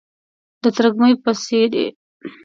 د ترږمۍ په څیرې،